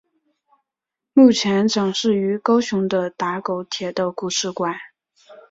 目前展示于高雄的打狗铁道故事馆。